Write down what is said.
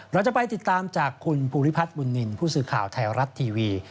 แล้วจะไปติดตามจากคุณภูมิภัทรบุนนินภูติศาสตร์ข่าวไทยรัฐทีวี